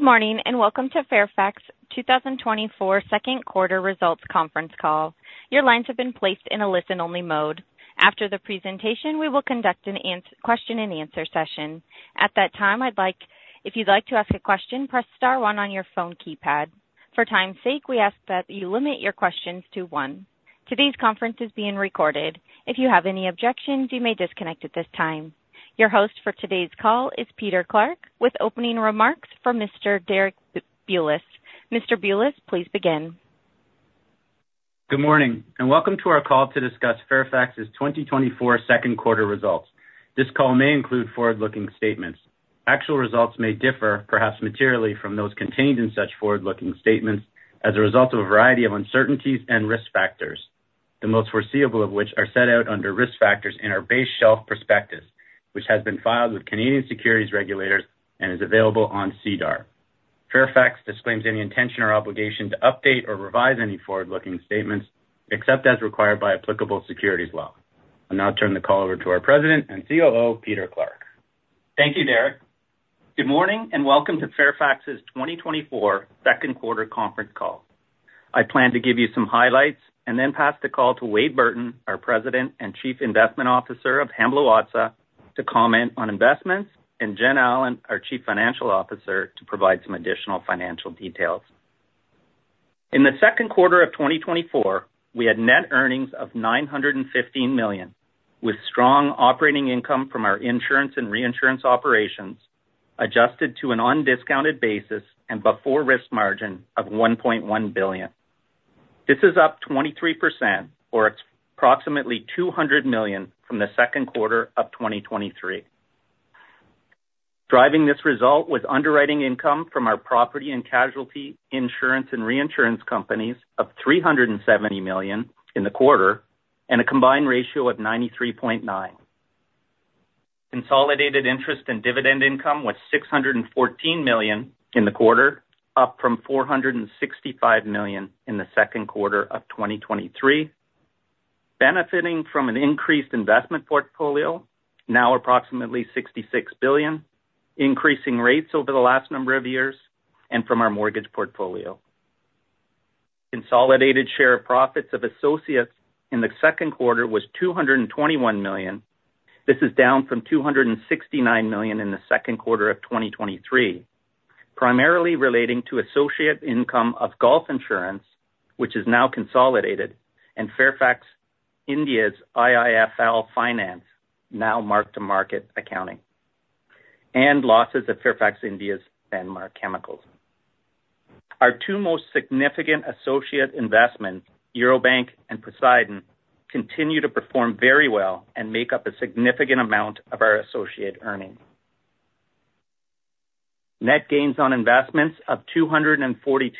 Good morning and welcome to Fairfax 2024 Second Quarter Results Conference Call. Your lines have been placed in a listen-only mode. After the presentation, we will conduct a question-and-answer session. At that time, if you'd like to ask a question, press star one on your phone keypad. For time's sake, we ask that you limit your questions to one. Today's conference is being recorded. If you have any objections, you may disconnect at this time. Your host for today's call is Peter Clarke with opening remarks from Mr. Derek Bulas. Mr. Bulas, please begin. Good morning and welcome to our call to discuss Fairfax's 2024 Second Quarter Results. This call may include forward-looking statements. Actual results may differ, perhaps materially, from those contained in such forward-looking statements as a result of a variety of uncertainties and risk factors, the most foreseeable of which are set out under risk factors in our base shelf prospectus, which has been filed with Canadian securities regulators and is available on SEDAR. Fairfax disclaims any intention or obligation to update or revise any forward-looking statements except as required by applicable securities law. I'll now turn the call over to our president and COO, Peter Clarke. Thank you, Derek. Good morning and welcome to Fairfax's 2024 second quarter conference call. I plan to give you some highlights and then pass the call to Wade Burton, our President and Chief Investment Officer of Hamblin Watsa, to comment on investments, and Jennifer Allen, our Chief Financial Officer, to provide some additional financial details. In the second quarter of 2024, we had net earnings of $915 million, with strong operating income from our insurance and reinsurance operations adjusted to an undiscounted basis and before risk margin of $1.1 billion. This is up 23% or approximately $200 million from the second quarter of 2023. Driving this result was underwriting income from our property and casualty insurance and reinsurance companies of $370 million in the quarter and a combined ratio of 93.9%. Consolidated interest and dividend income was $614 million in the quarter, up from $465 million in the second quarter of 2023, benefiting from an increased investment portfolio, now approximately $66 billion, increasing rates over the last number of years, and from our mortgage portfolio. Consolidated share of profits of associates in the second quarter was $221 million. This is down from $269 million in the second quarter of 2023, primarily relating to associate income of Gulf Insurance, which is now consolidated, and Fairfax India's IIFL Finance, now marked to market accounting, and losses of Fairfax India's Sanmar Chemicals. Our two most significant associate investments, Eurobank and Poseidon, continue to perform very well and make up a significant amount of our associate earnings. Net gains on investments of $242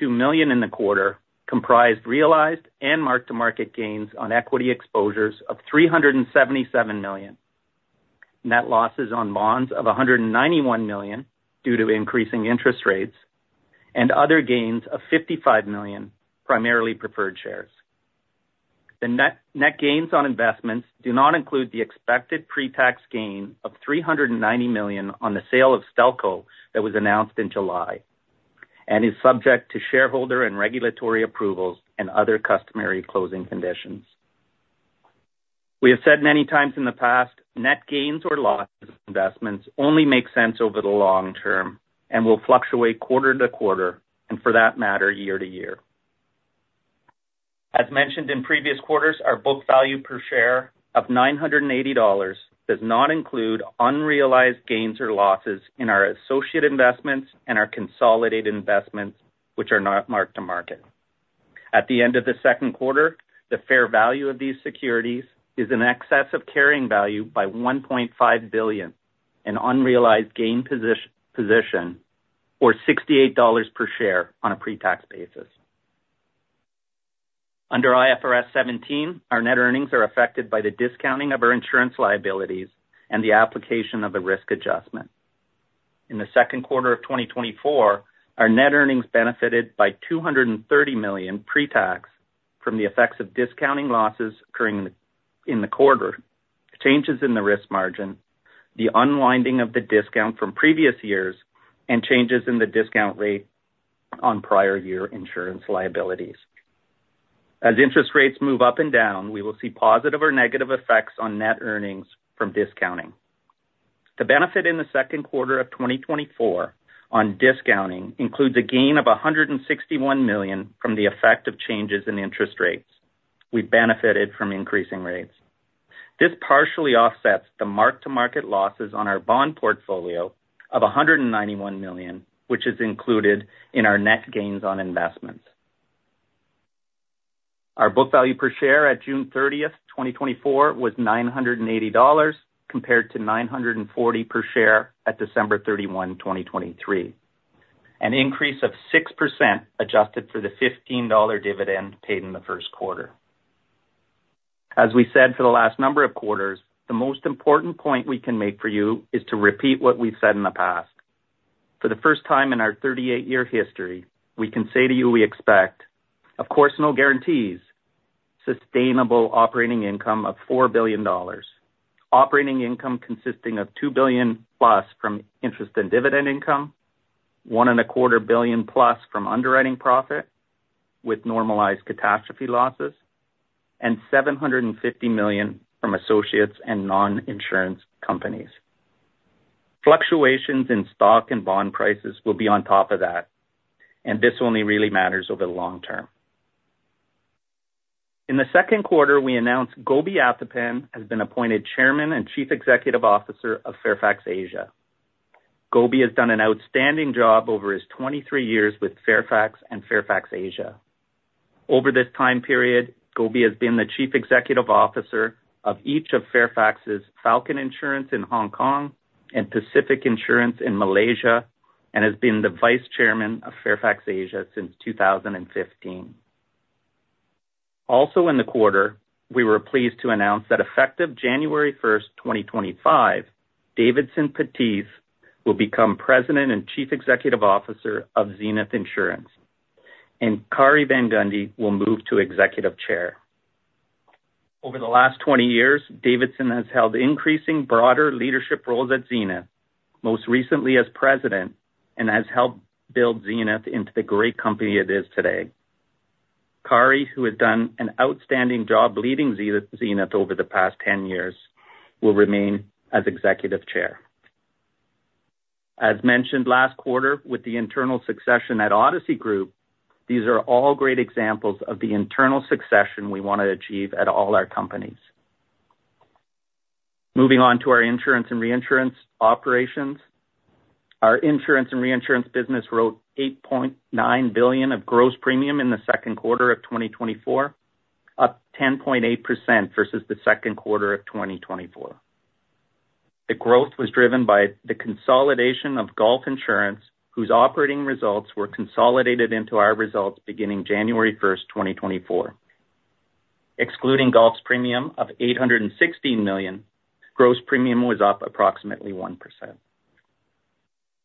million in the quarter comprised realized and marked to market gains on equity exposures of $377 million, net losses on bonds of $191 million due to increasing interest rates, and other gains of $55 million, primarily preferred shares. The net gains on investments do not include the expected pre-tax gain of $390 million on the sale of Stelco that was announced in July and is subject to shareholder and regulatory approvals and other customary closing conditions. We have said many times in the past, net gains or losses of investments only make sense over the long term and will fluctuate quarter to quarter and, for that matter, year to year. As mentioned in previous quarters, our book value per share of $980 does not include unrealized gains or losses in our associate investments and our consolidated investments, which are not marked to market. At the end of the second quarter, the fair value of these securities is in excess of carrying value by $1.5 billion, an unrealized gain position or $68 per share on a pre-tax basis. Under IFRS 17, our net earnings are affected by the discounting of our insurance liabilities and the application of a risk adjustment. In the second quarter of 2024, our net earnings benefited by $230 million pre-tax from the effects of discounting losses occurring in the quarter, changes in the risk margin, the unwinding of the discount from previous years, and changes in the discount rate on prior year insurance liabilities. As interest rates move up and down, we will see positive or negative effects on net earnings from discounting. The benefit in the second quarter of 2024 on discounting includes a gain of $161 million from the effect of changes in interest rates. We benefited from increasing rates. This partially offsets the mark-to-market losses on our bond portfolio of $191 million, which is included in our net gains on investments. Our book value per share at June 30, 2024, was $980 compared to $940 per share at December 31, 2023, an increase of 6% adjusted for the $15 dividend paid in the first quarter. As we said for the last number of quarters, the most important point we can make for you is to repeat what we've said in the past. For the first time in our 38-year history, we can say to you we expect, of course, no guarantees, sustainable operating income of $4 billion, operating income consisting of $2 billion plus from interest and dividend income, $1.25 billion plus from underwriting profit with normalized catastrophe losses, and $750 million from associates and non-insurance companies. Fluctuations in stock and bond prices will be on top of that, and this only really matters over the long term. In the second quarter, we announced Gobinath Athappan has been appointed Chairman and Chief Executive Officer of Fairfax Asia. Gobinath Athappan has done an outstanding job over his 23 years with Fairfax and Fairfax Asia. Over this time period, Gobinath Athappan has been the Chief Executive Officer of each of Fairfax's Falcon Insurance in Hong Kong and Pacific Insurance in Malaysia and has been the Vice Chairman of Fairfax Asia since 2015. Also in the quarter, we were pleased to announce that effective January 1, 2025, Davidson Pattiz will become President and Chief Executive Officer of Zenith Insurance, and Kari Van Gundy will move to Executive Chair. Over the last 20 years, Davidson has held increasing broader leadership roles at Zenith, most recently as president, and has helped build Zenith into the great company it is today. Kari, who has done an outstanding job leading Zenith over the past 10 years, will remain as executive chair. As mentioned last quarter, with the internal succession at Odyssey Group, these are all great examples of the internal succession we want to achieve at all our companies. Moving on to our insurance and reinsurance operations, our insurance and reinsurance business wrote $8.9 billion of gross premium in the second quarter of 2024, up 10.8% versus the second quarter of 2024. The growth was driven by the consolidation of Gulf Insurance, whose operating results were consolidated into our results beginning January 1, 2024. Excluding Gulf's premium of $816 million, gross premium was up approximately 1%.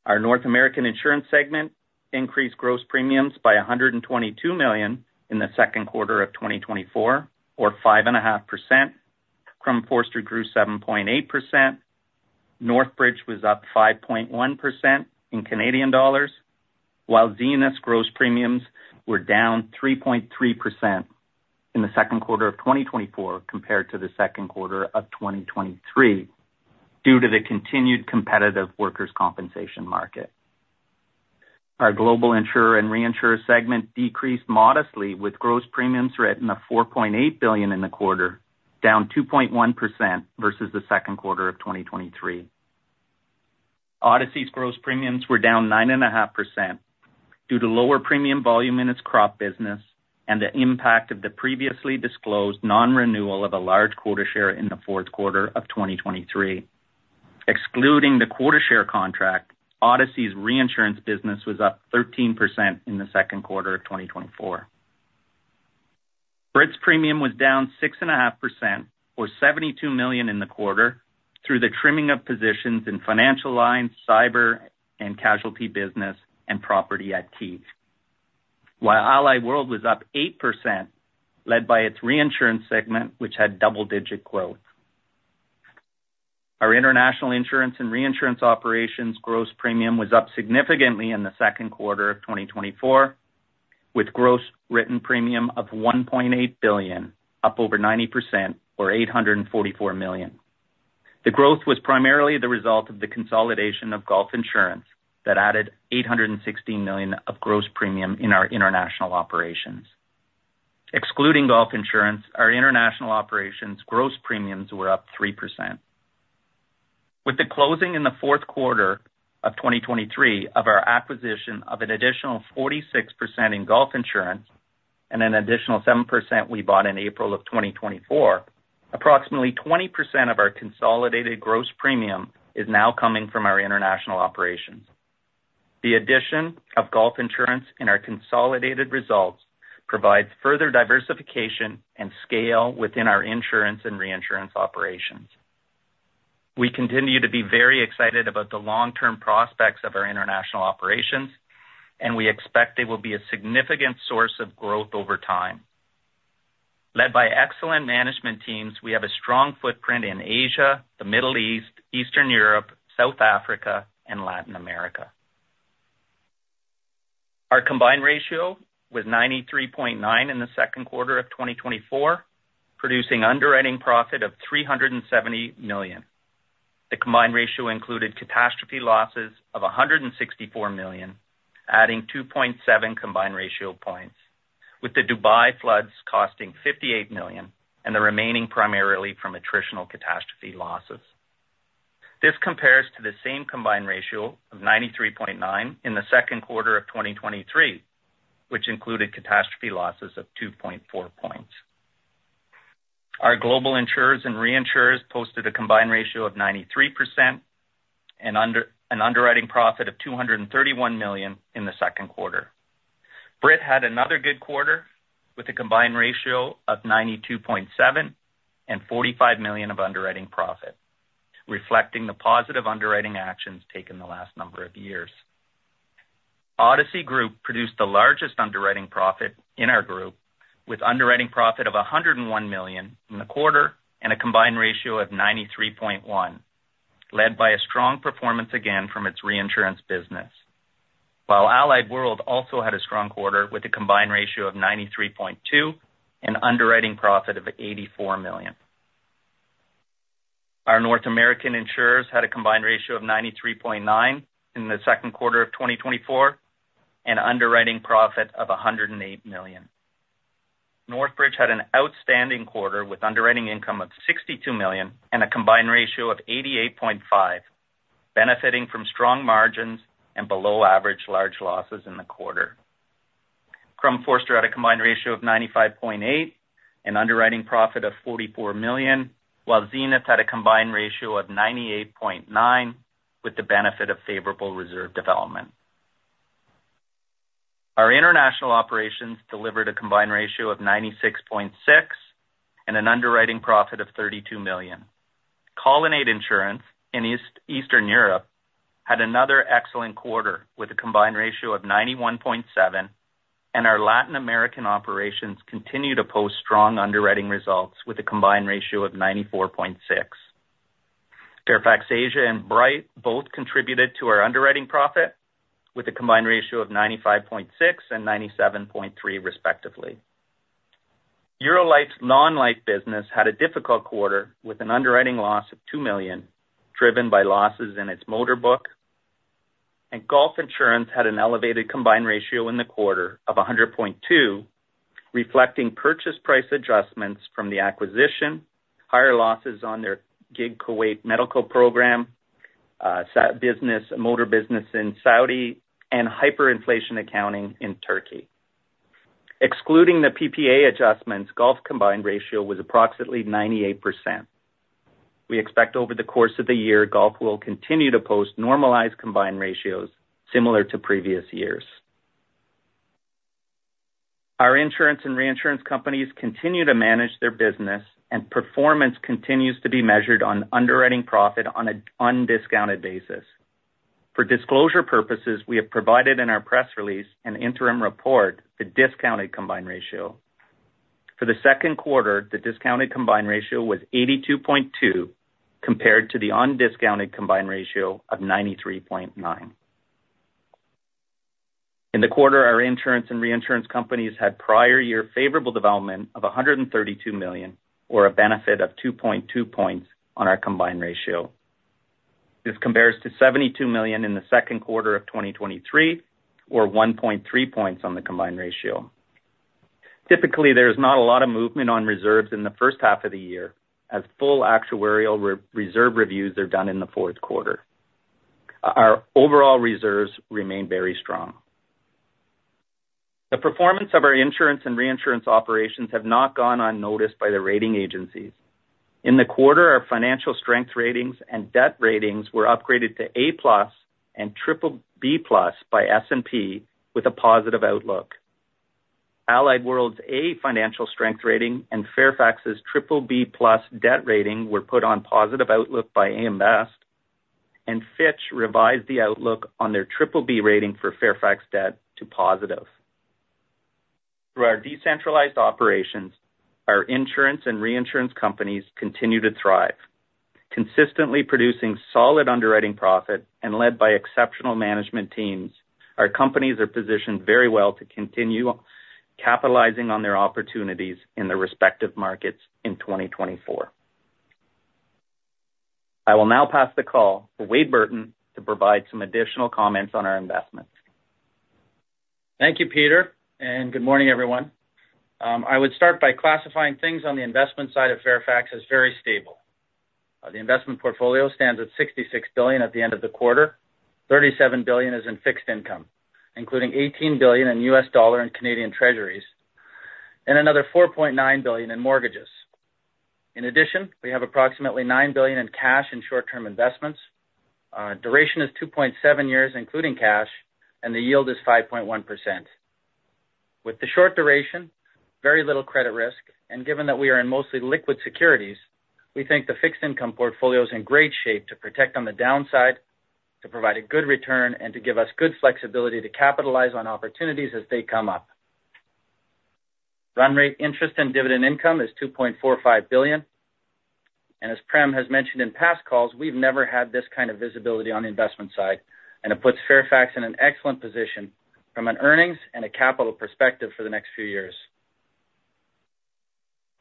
Our North American insurance segment increased gross premiums by $122 million in the second quarter of 2024, or 5.5%. Crum & Forster grew 7.8%. Northbridge was up 5.1% in Canadian dollars, while Zenith's gross premiums were down 3.3% in the second quarter of 2024 compared to the second quarter of 2023 due to the continued competitive workers' compensation market. Our global insurer and reinsurer segment decreased modestly, with gross premiums written of $4.8 billion in the quarter, down 2.1% versus the second quarter of 2023. Odyssey's gross premiums were down 9.5% due to lower premium volume in its crop business and the impact of the previously disclosed non-renewal of a large quota share in the fourth quarter of 2023. Excluding the quota share contract, Odyssey's reinsurance business was up 13% in the second quarter of 2024. Brit's premium was down 6.5%, or $72 million in the quarter, through the trimming of positions in financial lines, cyber, and casualty business, and property IT. While Allied World was up 8%, led by its reinsurance segment, which had double-digit growth. Our international insurance and reinsurance operations gross premium was up significantly in the second quarter of 2024, with gross written premium of $1.8 billion, up over 90%, or $844 million. The growth was primarily the result of the consolidation of Gulf Insurance that added $816 million of gross premium in our international operations. Excluding Gulf Insurance, our international operations gross premiums were up 3%. With the closing in the fourth quarter of 2023 of our acquisition of an additional 46% in Gulf Insurance and an additional 7% we bought in April of 2024, approximately 20% of our consolidated gross premium is now coming from our international operations. The addition of Gulf Insurance in our consolidated results provides further diversification and scale within our insurance and reinsurance operations. We continue to be very excited about the long-term prospects of our international operations, and we expect they will be a significant source of growth over time. Led by excellent management teams, we have a strong footprint in Asia, the Middle East, Eastern Europe, South Africa, and Latin America. Our combined ratio was 93.9 in the second quarter of 2024, producing underwriting profit of $370 million. The combined ratio included catastrophe losses of $164 million, adding 2.7 combined ratio points, with the Dubai floods costing $58 million and the remaining primarily from attritional catastrophe losses. This compares to the same combined ratio of 93.9 in the second quarter of 2023, which included catastrophe losses of 2.4 points. Our global insurers and reinsurers posted a combined ratio of 93% and an underwriting profit of $231 million in the second quarter. Brit had another good quarter with a combined ratio of 92.7% and $45 million of underwriting profit, reflecting the positive underwriting actions taken the last number of years. Odyssey Group produced the largest underwriting profit in our group, with underwriting profit of $101 million in the quarter and a combined ratio of 93.1%, led by a strong performance again from its reinsurance business, while Allied World also had a strong quarter with a combined ratio of 93.2% and underwriting profit of $84 million. Our North American insurers had a combined ratio of 93.9% in the second quarter of 2024 and underwriting profit of $108 million. Northbridge had an outstanding quarter with underwriting income of $62 million and a combined ratio of 88.5, benefiting from strong margins and below-average large losses in the quarter. Crum & Forster had a combined ratio of 95.8 and underwriting profit of $44 million, while Zenith had a combined ratio of 98.9 with the benefit of favorable reserve development. Our international operations delivered a combined ratio of 96.6 and an underwriting profit of $32 million. Colonnade Insurance in Eastern Europe had another excellent quarter with a combined ratio of 91.7, and our Latin American operations continue to post strong underwriting results with a combined ratio of 94.6. Fairfax Asia and Bryte both contributed to our underwriting profit with a combined ratio of 95.6 and 97.3, respectively. Eurolife's non-life business had a difficult quarter with an underwriting loss of $2 million driven by losses in its motor book, and Gulf Insurance had an elevated combined ratio in the quarter of 100.2%, reflecting purchase price adjustments from the acquisition, higher losses on their GIG Kuwait medical program, business motor business in Saudi, and hyperinflation accounting in Turkey. Excluding the PPA adjustments, Gulf combined ratio was approximately 98%. We expect over the course of the year, Gulf will continue to post normalized combined ratios similar to previous years. Our insurance and reinsurance companies continue to manage their business, and performance continues to be measured on underwriting profit on an undiscounted basis. For disclosure purposes, we have provided in our press release an interim report, the discounted combined ratio. For the second quarter, the discounted combined ratio was 82.2% compared to the undiscounted combined ratio of 93.9%. In the quarter, our insurance and reinsurance companies had prior year favorable development of $132 million, or a benefit of 2.2 points on our combined ratio. This compares to $72 million in the second quarter of 2023, or 1.3 points on the combined ratio. Typically, there is not a lot of movement on reserves in the first half of the year, as full actuarial reserve reviews are done in the fourth quarter. Our overall reserves remain very strong. The performance of our insurance and reinsurance operations has not gone unnoticed by the rating agencies. In the quarter, our financial strength ratings and debt ratings were upgraded to A-plus and BBB+ by S&P, with a positive outlook. Allied World's A financial strength rating and Fairfax's BBB+ debt rating were put on positive outlook by AM Best, and Fitch revised the outlook on their BBB rating for Fairfax debt to positive. Through our decentralized operations, our insurance and reinsurance companies continue to thrive, consistently producing solid underwriting profit and led by exceptional management teams. Our companies are positioned very well to continue capitalizing on their opportunities in their respective markets in 2024. I will now pass the call for Wade Burton to provide some additional comments on our investments. Thank you, Peter, and good morning, everyone. I would start by classifying things on the investment side of Fairfax as very stable. The investment portfolio stands at $66 billion at the end of the quarter. $37 billion is in fixed income, including $18 billion in U.S. dollar and Canadian treasuries, and another $4.9 billion in mortgages. In addition, we have approximately $9 billion in cash and short-term investments. Duration is 2.7 years, including cash, and the yield is 5.1%. With the short duration, very little credit risk, and given that we are in mostly liquid securities, we think the fixed income portfolio is in great shape to protect on the downside, to provide a good return, and to give us good flexibility to capitalize on opportunities as they come up. Run rate, interest, and dividend income is $2.45 billion. And as Prem has mentioned in past calls, we've never had this kind of visibility on the investment side, and it puts Fairfax in an excellent position from an earnings and a capital perspective for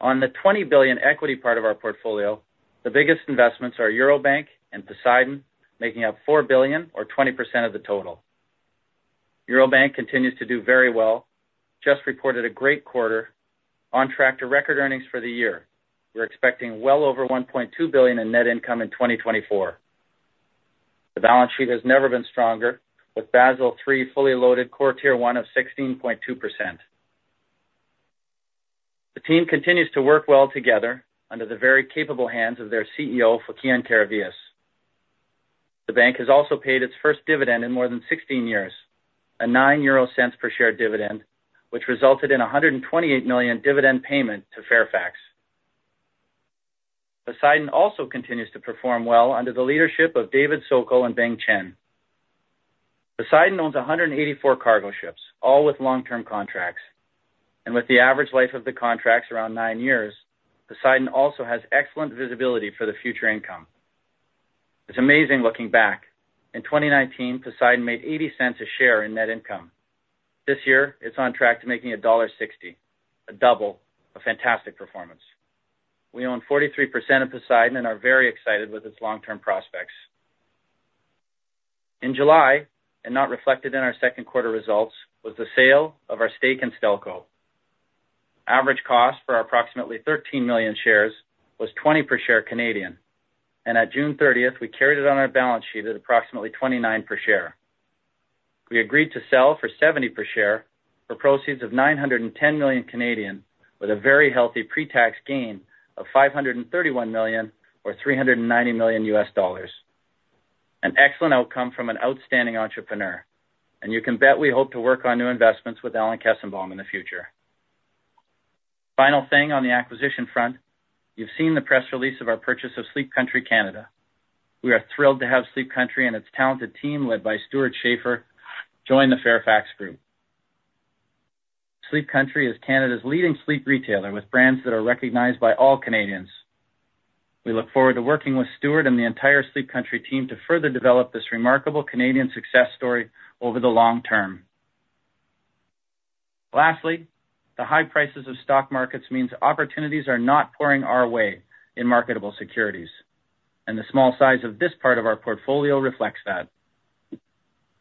the next few years. On the $20 billion equity part of our portfolio, the biggest investments are Eurobank and Poseidon, making up $4 billion, or 20% of the total. Eurobank continues to do very well, just reported a great quarter, on track to record earnings for the year. We're expecting well over $1.2 billion in net income in 2024. The balance sheet has never been stronger, with Basel III fully loaded quarter one of 16.2%. The team continues to work well together under the very capable hands of their CEO, Fokion Karavias. The bank has also paid its first dividend in more than 16 years, a $0.09 per share dividend, which resulted in $128 million dividend payment to Fairfax. Poseidon also continues to perform well under the leadership of David Sokol and Bing Chen. Poseidon owns 184 cargo ships, all with long-term contracts. And with the average life of the contracts around nine years, Poseidon also has excellent visibility for the future income. It's amazing looking back. In 2019, Poseidon made $0.80 a share in net income. This year, it's on track to making $1.60, a double, a fantastic performance. We own 43% of Poseidon and are very excited with its long-term prospects. In July, and not reflected in our second quarter results, was the sale of our stake in Stelco. Average cost for our approximately 13 million shares was 20 per share, and at June 30th, we carried it on our balance sheet at approximately 29 per share. We agreed to sell for 70 per share for proceeds of 910 million, with a very healthy pre-tax gain of 531 million, or $390 million. An excellent outcome from an outstanding entrepreneur, and you can bet we hope to work on new investments with Alan Kestenbaum in the future. Final thing on the acquisition front, you've seen the press release of our purchase of Sleep Country Canada. We are thrilled to have Sleep Country and its talented team, led by Stewart Schaefer, join the Fairfax Group. Sleep Country is Canada's leading sleep retailer with brands that are recognized by all Canadians. We look forward to working with Stewart and the entire Sleep Country team to further develop this remarkable Canadian success story over the long term. Lastly, the high prices of stock markets means opportunities are not pouring our way in marketable securities, and the small size of this part of our portfolio reflects that.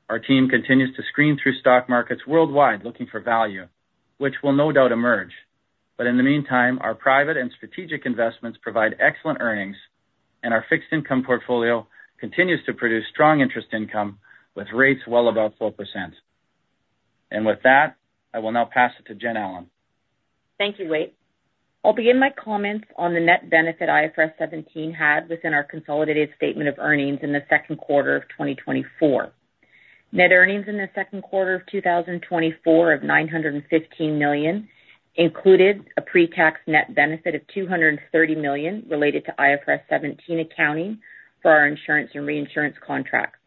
Our team continues to screen through stock markets worldwide looking for value, which will no doubt emerge. But in the meantime, our private and strategic investments provide excellent earnings, and our fixed income portfolio continues to produce strong interest income with rates well above 4%. And with that, I will now pass it to Jen Allen. Thank you, Wade. I'll begin my comments on the net benefit IFRS 17 had within our consolidated statement of earnings in the second quarter of 2024. Net earnings in the second quarter of 2024 of $915 million included a pre-tax net benefit of $230 million related to IFRS 17 accounting for our insurance and reinsurance contracts.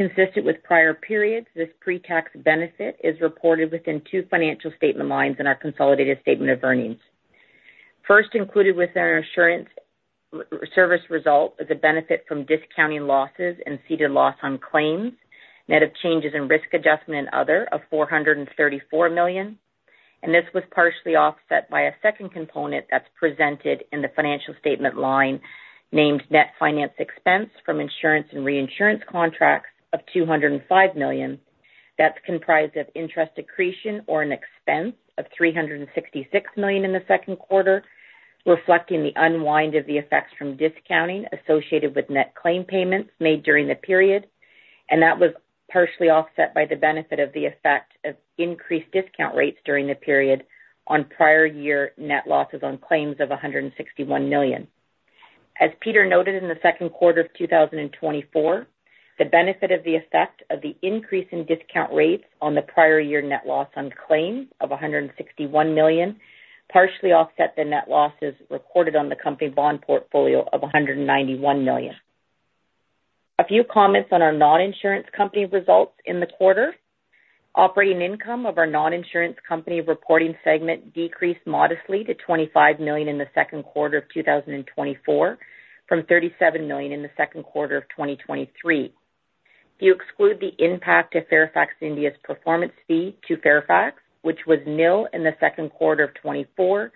Consistent with prior periods, this pre-tax benefit is reported within two financial statement lines in our consolidated statement of earnings. First included with our insurance service result is a benefit from discounting losses and ceded loss on claims, net of changes in risk adjustment and other of $434 million. This was partially offset by a second component that's presented in the financial statement line named net finance expense from insurance and reinsurance contracts of $205 million. That's comprised of interest accretion or an expense of $366 million in the second quarter, reflecting the unwind of the effects from discounting associated with net claim payments made during the period. That was partially offset by the benefit of the effect of increased discount rates during the period on prior year net losses on claims of $161 million. As Peter noted in the second quarter of 2024, the benefit of the effect of the increase in discount rates on the prior year net loss on claims of $161 million partially offset the net losses recorded on the company bond portfolio of $191 million. A few comments on our non-insurance company results in the quarter. Operating income of our non-insurance company reporting segment decreased modestly to $25 million in the second quarter of 2024 from $37 million in the second quarter of 2023. If you exclude the impact of Fairfax India's performance fee to Fairfax, which was nil in the second quarter of 2024,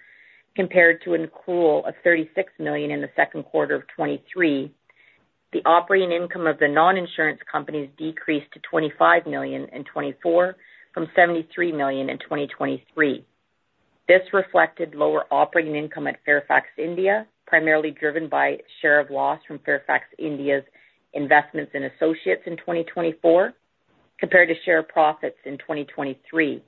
compared to an accrual of $36 million in the second quarter of 2023, the operating income of the non-insurance companies decreased to $25 million in 2024 from $73 million in 2023. This reflected lower operating income at Fairfax India, primarily driven by share of loss from Fairfax India's investments in associates in 2024 compared to share of profits in 2023.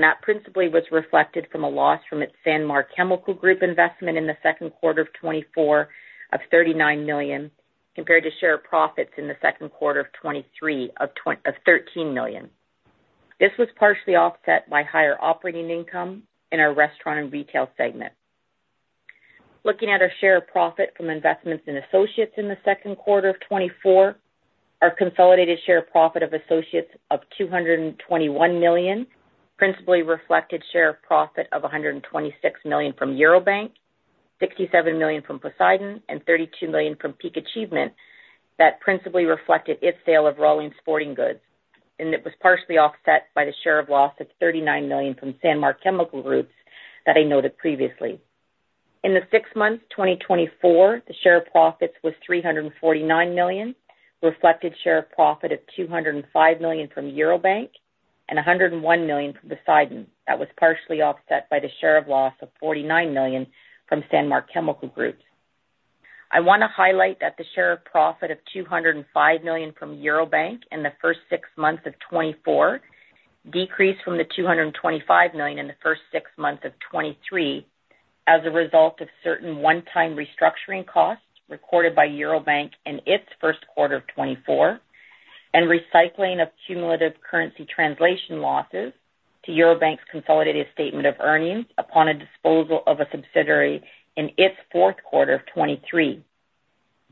That principally was reflected from a loss from its Sanmar Chemicals Group investment in the second quarter of 2024 of $39 million, compared to share of profits in the second quarter of 2023 of $13 million. This was partially offset by higher operating income in our restaurant and retail segment. Looking at our share of profit from investments in associates in the second quarter of 2024, our consolidated share of profit of associates of $221 million principally reflected share of profit of $126 million from Eurobank, $67 million from Poseidon, and $32 million from Peak Achievement that principally reflected its sale of Rawlings Sporting Goods. It was partially offset by the share of loss of $39 million from Sanmar Chemicals Group that I noted previously. In the six months 2024, the share of profits was $349 million, reflected share of profit of $205 million from Eurobank, and $101 million from Poseidon. That was partially offset by the share of loss of $49 million from Sanmar Chemicals Group. I want to highlight that the share of profit of $205 million from Eurobank in the first six months of 2024 decreased from the $225 million in the first six months of 2023 as a result of certain one-time restructuring costs recorded by Eurobank in its first quarter of 2024 and recycling of cumulative currency translation losses to Eurobank's consolidated statement of earnings upon a disposal of a subsidiary in its fourth quarter of 2023.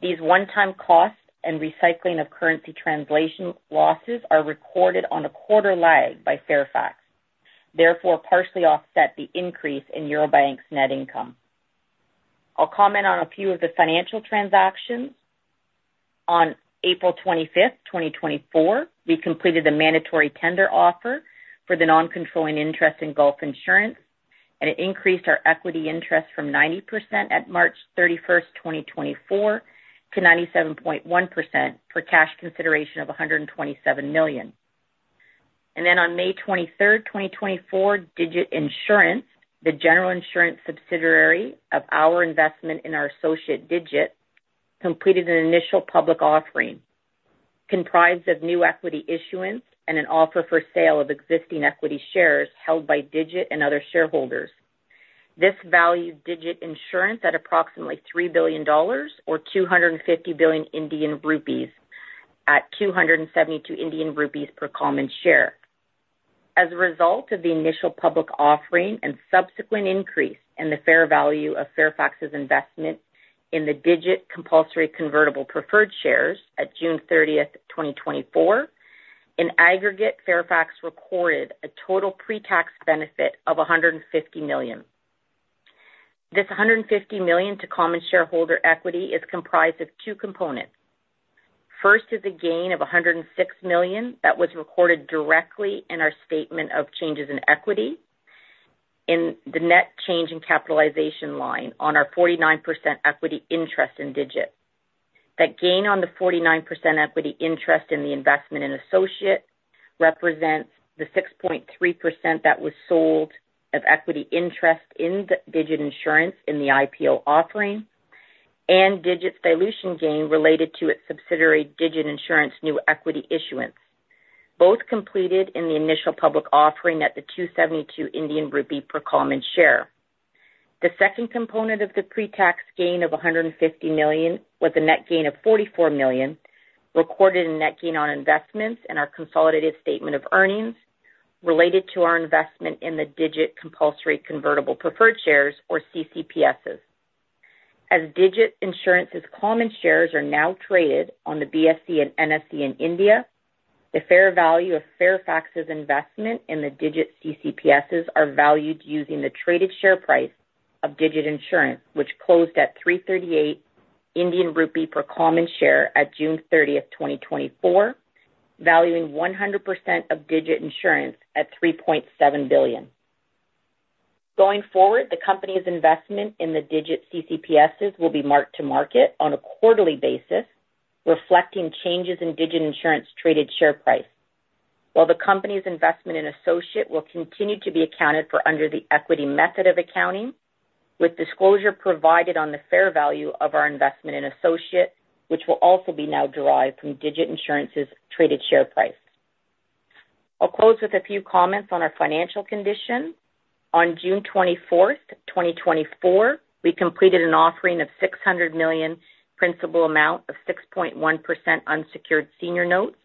These one-time costs and recycling of currency translation losses are recorded on a quarter lag by Fairfax, therefore partially offset the increase in Eurobank's net income. I'll comment on a few of the financial transactions. On April 25th, 2024, we completed the mandatory tender offer for the non-controlling interest in Gulf Insurance, and it increased our equity interest from 90% at March 31st, 2024, to 97.1% for cash consideration of $127 million. And then on May 23rd, 2024, Digit Insurance, the general insurance subsidiary of our investment in our associate Digit, completed an initial public offering comprised of new equity issuance and an offer for sale of existing equity shares held by Digit and other shareholders. This valued Digit Insurance at approximately $3 billion, or 250 billion Indian rupees, at 272 Indian rupees per common share. As a result of the initial public offering and subsequent increase in the fair value of Fairfax's investment in the Digit compulsory convertible preferred shares at June 30th, 2024, in aggregate, Fairfax recorded a total pre-tax benefit of $150 million. This $150 million to common shareholder equity is comprised of two components. First is a gain of $106 million that was recorded directly in our statement of changes in equity in the net change in capitalization line on our 49% equity interest in Digit. That gain on the 49% equity interest in the investment in associate represents the 6.3% that was sold of equity interest in Digit Insurance in the IPO offering and Digit's dilution gain related to its subsidiary Digit Insurance new equity issuance, both completed in the initial public offering at 272 Indian rupee per common share. The second component of the pre-tax gain of $150 million was a net gain of $44 million recorded on investments in our consolidated statement of earnings related to our investment in the Digit compulsory convertible preferred shares, or CCPSs. As Digit Insurance's common shares are now traded on the BSE and NSE in India, the fair value of Fairfax's investment in the Digit CCPSs are valued using the traded share price of Digit Insurance, which closed at 338 Indian rupee per common share at June 30th, 2024, valuing 100% of Digit Insurance at $3.7 billion. Going forward, the company's investment in the Digit CCPSs will be marked to market on a quarterly basis, reflecting changes in Digit Insurance traded share price. While the company's investment in Associate will continue to be accounted for under the equity method of accounting, with disclosure provided on the fair value of our investment in Associate, which will also be now derived from Digit Insurance's traded share price. I'll close with a few comments on our financial condition. On June 24th, 2024, we completed an offering of $600 million principal amount of 6.1% unsecured senior notes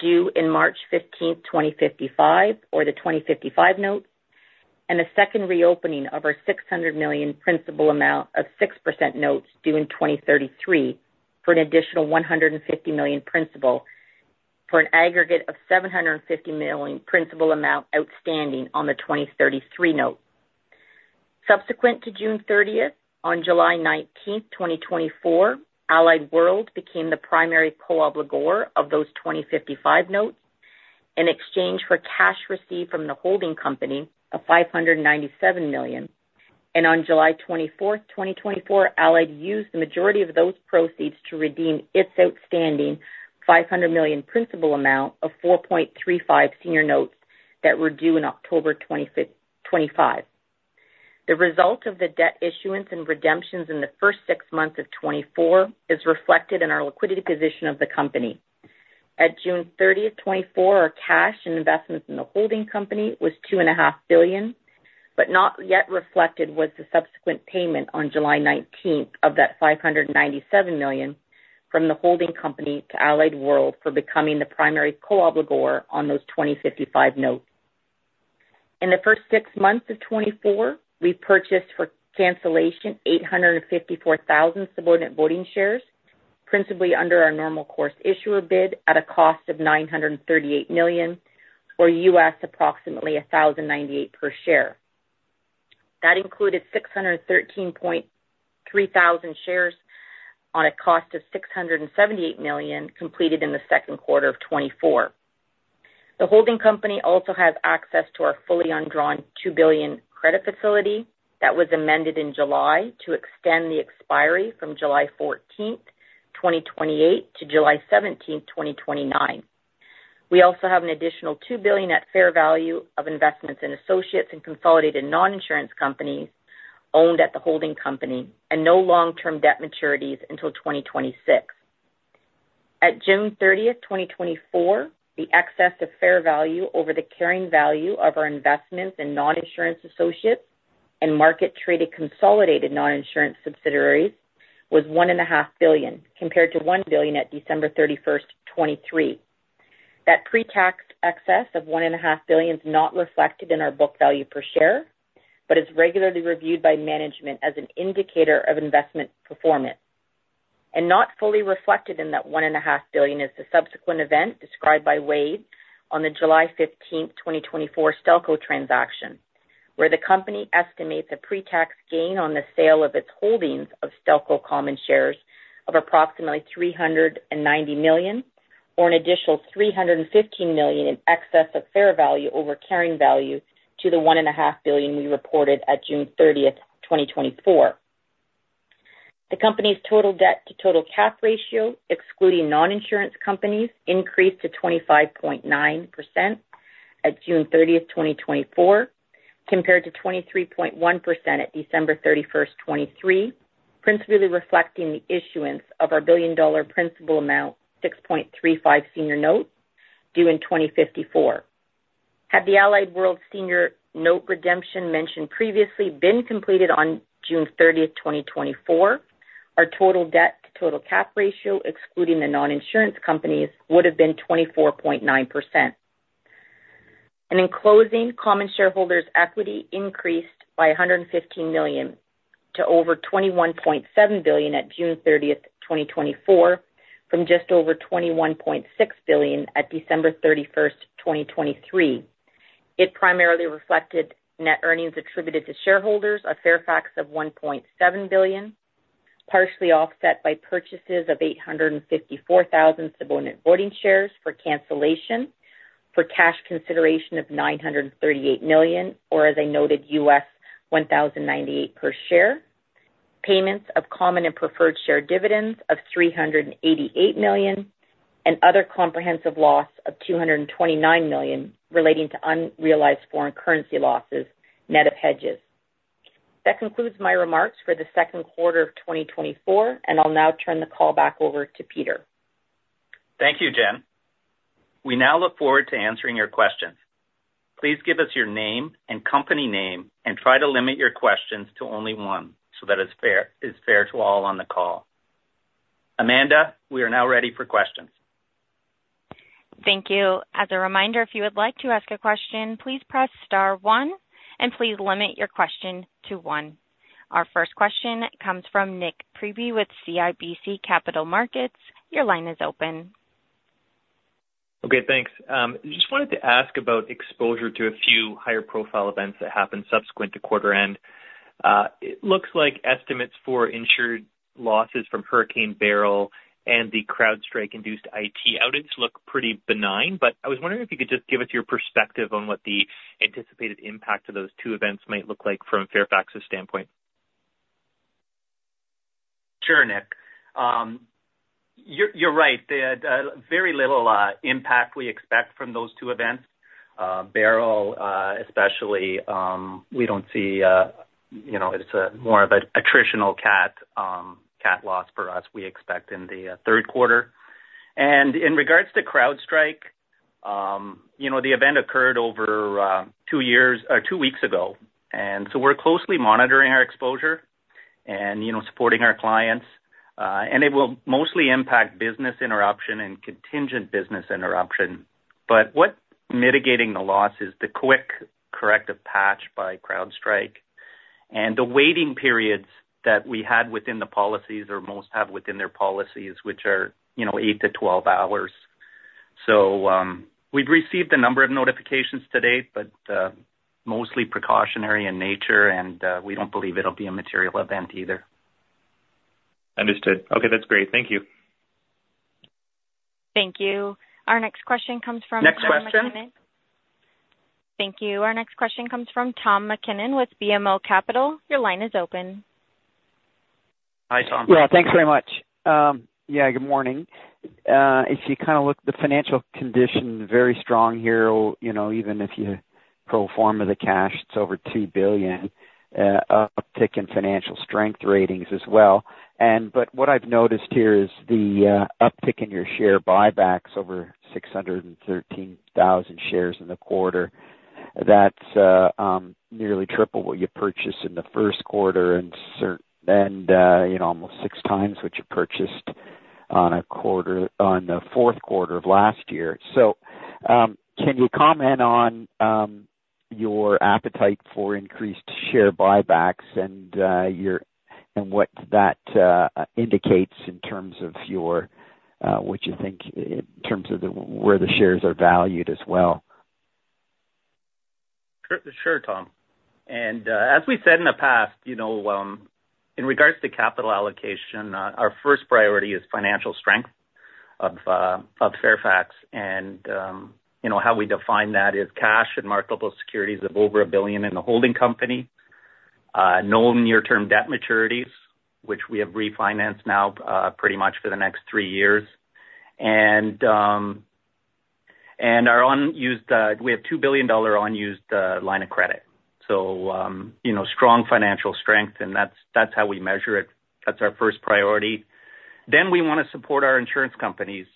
due March 15th, 2055, or the 2055 Notes, and a second reopening of our $600 million principal amount of 6% Notes due 2033 for an additional $150 million principal for an aggregate of $750 million principal amount outstanding on the 2033 Notes. Subsequent to June 30th, on July 19th, 2024, Allied World became the primary co-obligor of those 2055 Notes in exchange for cash received from the holding company of $597 million. On July 24th, 2024, Allied World used the majority of those proceeds to redeem its outstanding $500 million principal amount of 4.35% senior notes that were due in October 2025. The result of the debt issuance and redemptions in the first six months of 2024 is reflected in our liquidity position of the company. At June 30, 2024, our cash and investments in the holding company was $2.5 billion, but not yet reflected was the subsequent payment on July 19 of that $597 million from the holding company to Allied World for becoming the primary co-obligor on those 2055 Notes. In the first six months of 2024, we purchased for cancellation 854,000 Subordinate Voting Shares, principally under our Normal Course Issuer Bid at a cost of $938 million, or U.S. approximately $1,098 per share. That included 613,300 shares at a cost of $678 million completed in the second quarter of 2024. The holding company also has access to our fully undrawn $2 billion credit facility that was amended in July to extend the expiry from July 14, 2028, to July 17, 2029. We also have an additional $2 billion at fair value of investments in associates and consolidated non-insurance companies owned at the holding company and no long-term debt maturities until 2026. At June 30th, 2024, the excess of fair value over the carrying value of our investments in non-insurance associates and market-traded consolidated non-insurance subsidiaries was $1.5 billion, compared to $1 billion at December 31st, 2023. That pre-tax excess of $1.5 billion is not reflected in our book value per share, but is regularly reviewed by management as an indicator of investment performance. Not fully reflected in that $1.5 billion is the subsequent event described by Wade on the July 15th, 2024, Stelco transaction, where the company estimates a pre-tax gain on the sale of its holdings of Stelco common shares of approximately $390 million, or an additional $315 million in excess of fair value over carrying value to the $1.5 billion we reported at June 30th, 2024. The company's total debt to total cap ratio, excluding non-insurance companies, increased to 25.9% at June 30th, 2024, compared to 23.1% at December 31st, 2023, principally reflecting the issuance of our billion-dollar principal amount 6.35% senior note due in 2054. Had the Allied World senior note redemption mentioned previously been completed on June 30th, 2024, our total debt to total cap ratio, excluding the non-insurance companies, would have been 24.9%. In closing, common shareholders' equity increased by $115 million to over $21.7 billion at June 30th, 2024, from just over $21.6 billion at December 31st, 2023. It primarily reflected net earnings attributed to shareholders of Fairfax of $1.7 billion, partially offset by purchases of 854,000 subordinate voting shares for cancellation for cash consideration of $938 million, or as I noted, $1,098 per share, payments of common and preferred share dividends of $388 million, and other comprehensive loss of $229 million relating to unrealized foreign currency losses, net of hedges. That concludes my remarks for the second quarter of 2024, and I'll now turn the call back over to Peter. Thank you, Jen. We now look forward to answering your questions. Please give us your name and company name and try to limit your questions to only one so that it's fair to all on the call. Amanda, we are now ready for questions. Thank you. As a reminder, if you would like to ask a question, please press star one and please limit your question to one. Our first question comes from Nik Priebe with CIBC Capital Markets. Your line is open. Okay, thanks. I just wanted to ask about exposure to a few higher profile events that happened subsequent to quarter end. It looks like estimates for insured losses from Hurricane Beryl and the CrowdStrike-induced IT outage look pretty benign, but I was wondering if you could just give us your perspective on what the anticipated impact of those two events might look like from Fairfax's standpoint. Sure, Nik. You're right. Very little impact we expect from those two events. Beryl, especially, we don't see it's more of a attritional cat loss for us we expect in the third quarter. And in regards to CrowdStrike, the event occurred over two weeks ago. And so we're closely monitoring our exposure and supporting our clients. And it will mostly impact business interruption and contingent business interruption. But what mitigating the loss is the quick corrective patch by CrowdStrike. And the waiting periods that we had within the policies or most have within their policies, which are 8-12 hours. So we've received a number of notifications to date, but mostly precautionary in nature, and we don't believe it'll be a material event either. Understood. Okay, that's great. Thank you. Thank you. Our next question comes from Tom MacKinnon. Next question? Thank you. Our next question comes from Tom MacKinnon with BMO Capital. Your line is open. Hi, Tom. Yeah, thanks very much. Yeah, good morning. If you kind of look, the financial condition is very strong here, even if you pro forma the cash, it's over $2 billion, uptick in financial strength ratings as well. But what I've noticed here is the uptick in your share buybacks over 613,000 shares in the quarter. That's nearly triple what you purchased in the first quarter and almost six times what you purchased in the fourth quarter of last year. So can you comment on your appetite for increased share buybacks and what that indicates in terms of what you think in terms of where the shares are valued as well? Sure, Tom. And as we said in the past, in regards to capital allocation, our first priority is financial strength of Fairfax. And how we define that is cash and marketable securities of over $1 billion in the holding company, known near-term debt maturities, which we have refinanced now pretty much for the next 3 years. And we have $2 billion unused line of credit. So strong financial strength, and that's how we measure it. That's our first priority. Then we want to support our insurance companies.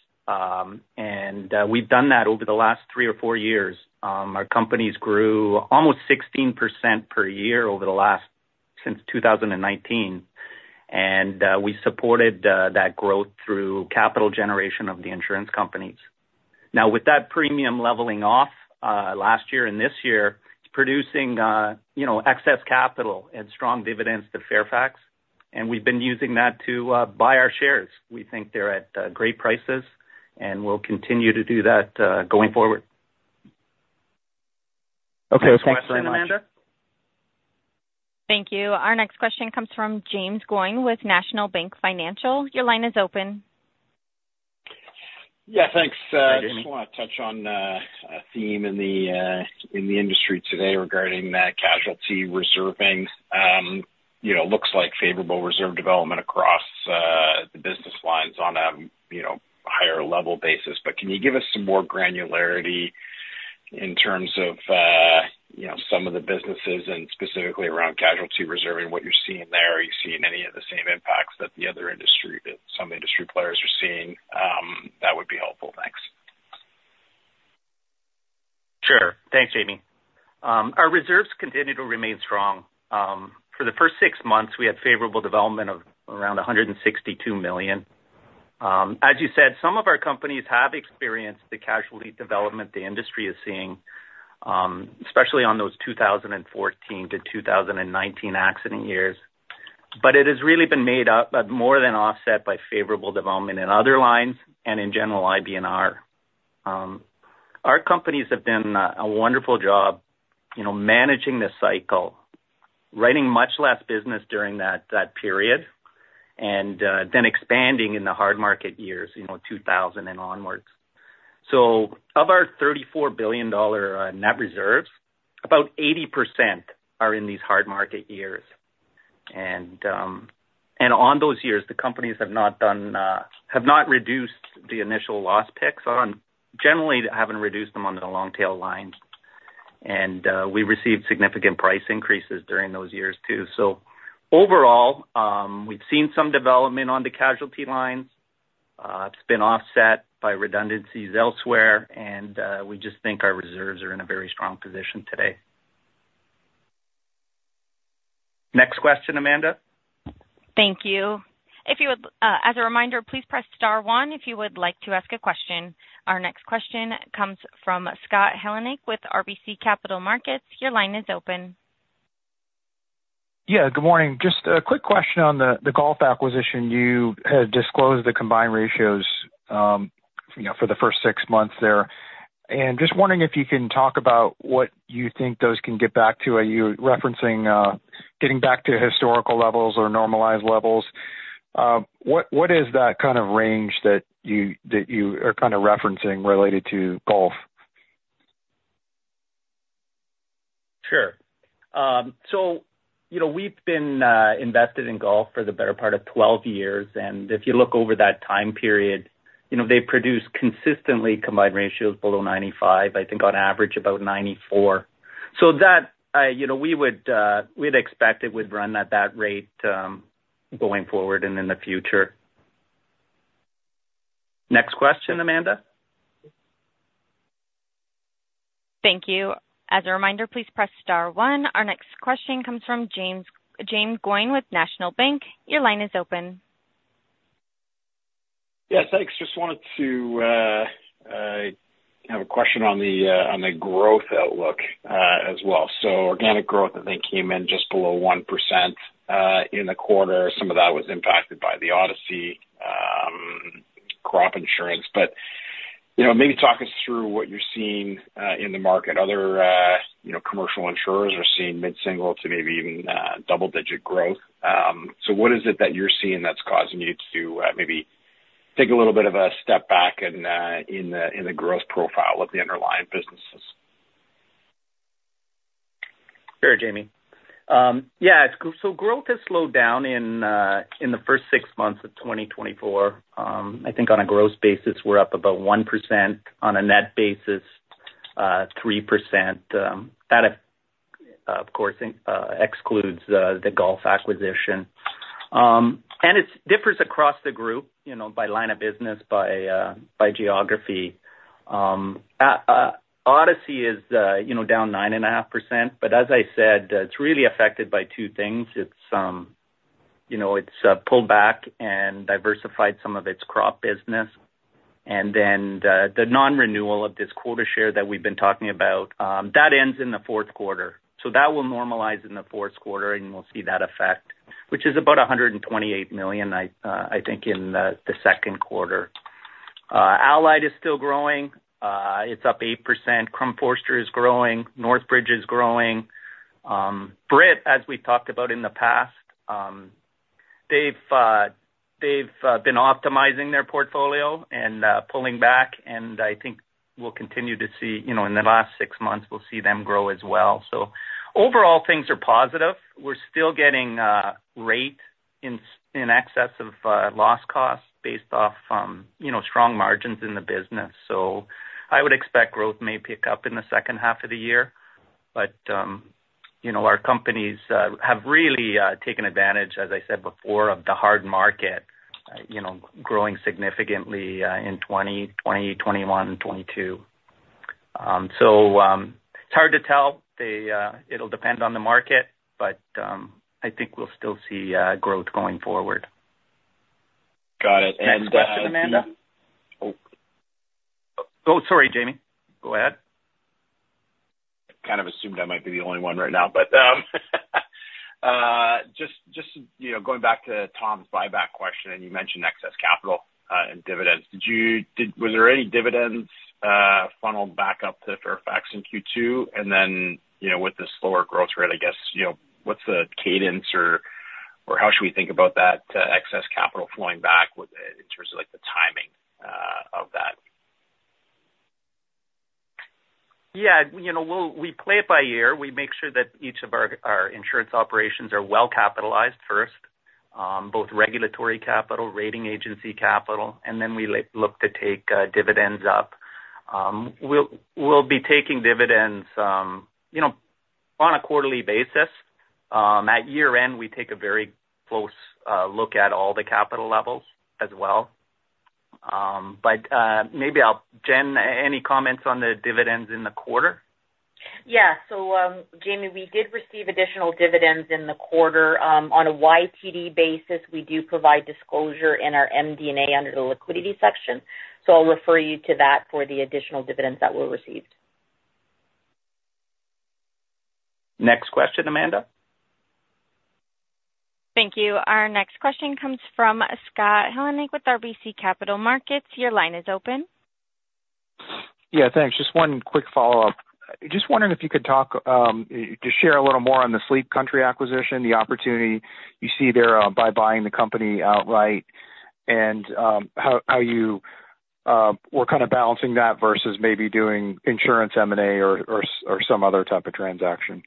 And we've done that over the last 3 or 4 years. Our companies grew almost 16% per year over the last since 2019. And we supported that growth through capital generation of the insurance companies. Now, with that premium leveling off last year and this year, it's producing excess capital and strong dividends to Fairfax. We've been using that to buy our shares. We think they're at great prices, and we'll continue to do that going forward. Okay, thanks very much. Thanks very much, Amanda. Thank you. Our next question comes from Jaeme Gloyn with National Bank Financial. Your line is open. Yeah, thanks. I just want to touch on a theme in the industry today regarding that casualty reserving. It looks like favorable reserve development across the business lines on a higher level basis. But can you give us some more granularity in terms of some of the businesses and specifically around casualty reserving, what you're seeing there? Are you seeing any of the same impacts that the other industry, some industry players are seeing? That would be helpful. Thanks. Sure. Thanks, Jaeme. Our reserves continue to remain strong. For the first six months, we had favorable development of around $162 million. As you said, some of our companies have experienced the casualty development the industry is seeing, especially on those 2014-2019 accident years. But it has really been made up, but more than offset by favorable development in other lines and in general IBNR. Our companies have done a wonderful job managing the cycle, writing much less business during that period, and then expanding in the hard market years, 2000 and onwards. So of our $34 billion net reserves, about 80% are in these hard market years. And on those years, the companies have not reduced the initial loss picks. Generally, they haven't reduced them on the long-tail lines. And we received significant price increases during those years too. Overall, we've seen some development on the casualty lines. It's been offset by redundancies elsewhere. We just think our reserves are in a very strong position today. Next question, Amanda. Thank you. As a reminder, please press star one if you would like to ask a question. Our next question comes from Scott Heleniak with RBC Capital Markets. Your line is open. Yeah, good morning. Just a quick question on the Gulf acquisition. You had disclosed the combined ratios for the first six months there. Just wondering if you can talk about what you think those can get back to. Are you referencing getting back to historical levels or normalized levels? What is that kind of range that you are kind of referencing related to Gulf? Sure. So we've been invested in Gulf for the better part of 12 years. And if you look over that time period, they've produced consistently combined ratios below 95, I think on average about 94. So we would expect it would run at that rate going forward and in the future. Next question, Amanda. Thank you. As a reminder, please press star one. Our next question comes from Jaeme Gloyn with National Bank. Your line is open. Yes, thanks. Just wanted to have a question on the growth outlook as well. So organic growth, I think, came in just below 1% in the quarter. Some of that was impacted by the Odyssey crop insurance. But maybe talk us through what you're seeing in the market. Other commercial insurers are seeing mid-single to maybe even double-digit growth. So what is it that you're seeing that's causing you to maybe take a little bit of a step back in the growth profile of the underlying businesses? Sure, Jaeme. Yeah, so growth has slowed down in the first six months of 2024. I think on a gross basis, we're up about 1%. On a net basis, 3%. That, of course, excludes the Gulf acquisition. And it differs across the group by line of business, by geography. Odyssey is down 9.5%. But as I said, it's really affected by two things. It's pulled back and diversified some of its crop business. And then the non-renewal of this quota share that we've been talking about, that ends in the fourth quarter. So that will normalize in the fourth quarter, and we'll see that effect, which is about $128 million, I think, in the second quarter. Allied is still growing. It's up 8%. Crum & Forster is growing. Northbridge is growing. Brit, as we talked about in the past, they've been optimizing their portfolio and pulling back. I think we'll continue to see in the last six months, we'll see them grow as well. So overall, things are positive. We're still getting rate in excess of loss costs based off strong margins in the business. So I would expect growth may pick up in the second half of the year. But our companies have really taken advantage, as I said before, of the hard market growing significantly in 2020, 2021, 2022. So it's hard to tell. It'll depend on the market, but I think we'll still see growth going forward. Got it. And. Next question, Amanda? Oh, sorry, Jaeme. Go ahead. I kind of assumed I might be the only one right now. But just going back to Tom's buyback question, and you mentioned excess capital and dividends. Was there any dividends funneled back up to Fairfax in Q2? And then with the slower growth rate, I guess, what's the cadence or how should we think about that excess capital flowing back in terms of the timing of that? Yeah. We play it by ear. We make sure that each of our insurance operations are well capitalized first, both regulatory capital, rating agency capital, and then we look to take dividends up. We'll be taking dividends on a quarterly basis. At year-end, we take a very close look at all the capital levels as well. But maybe I'll let Jen any comments on the dividends in the quarter? Yeah. So Jaeme, we did receive additional dividends in the quarter. On a YTD basis, we do provide disclosure in our MD&A under the liquidity section. So I'll refer you to that for the additional dividends that were received. Next question, Amanda. Thank you. Our next question comes from Scott Heleniak with RBC Capital Markets. Your line is open. Yeah, thanks. Just one quick follow-up. Just wondering if you could talk to share a little more on the Sleep Country acquisition, the opportunity you see there by buying the company outright, and how you were kind of balancing that versus maybe doing insurance M&A or some other type of transaction?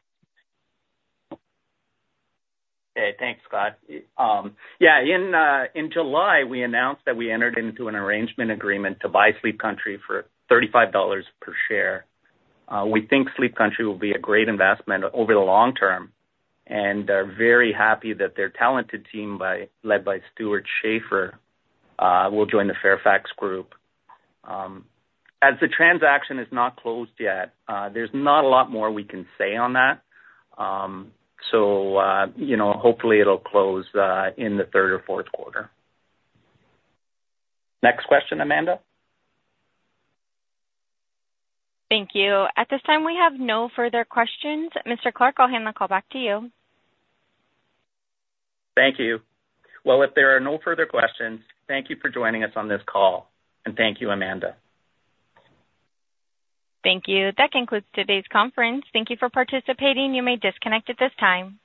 Okay. Thanks, Scott. Yeah. In July, we announced that we entered into an arrangement agreement to buy Sleep Country for $35 per share. We think Sleep Country will be a great investment over the long term. They're very happy that their talented team led by Stewart Schaefer will join the Fairfax group. As the transaction is not closed yet, there's not a lot more we can say on that. Hopefully, it'll close in the third or fourth quarter. Next question, Amanda. Thank you. At this time, we have no further questions. Mr. Clarke, I'll hand the call back to you. Thank you. Well, if there are no further questions, thank you for joining us on this call. Thank you, Amanda. Thank you. That concludes today's conference. Thank you for participating. You may disconnect at this time.